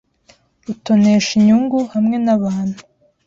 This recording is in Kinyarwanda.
utonesha inyungu hamwe nabantu